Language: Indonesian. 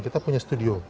kita punya studio